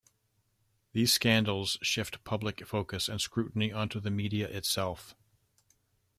These scandals shift public focus and scrutiny onto the media itself.